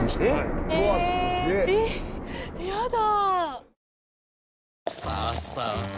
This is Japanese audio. やだ。